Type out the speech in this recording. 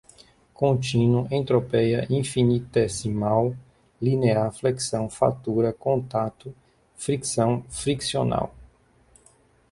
Contínuo, entropia, infinitesimal, linear, flexão, fratura, contato, fricção, friccional